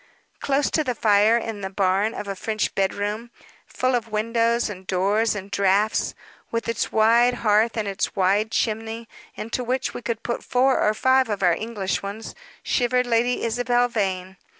Close to the fire in the barn of a French bedroom, full of windows, and doors, and draughts, with its wide hearth and its wide chimney, into which we could put four or five of our English ones, shivered Lady Isabel Vane.